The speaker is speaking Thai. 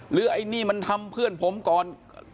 ไอ้นี่มันทำเพื่อนผมก่อน